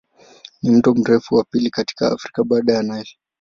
Ni mto mrefu wa pili katika Afrika baada ya Nile.